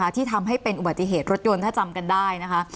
ที่ทำให้เป็นอุบัติเหตุรถยนต์ถ้าจำกันได้นะคะ